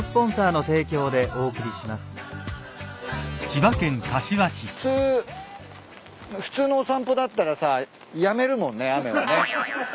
聞くと、友達を僕だと普通普通のお散歩だったらさやめるもんね雨はね。